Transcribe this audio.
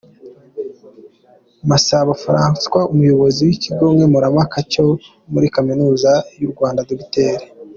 Masabo Francois, Umuyobozi w’Ikigo nkemurampaka cyo muri Kaminuza y’u Rwanda, Dr.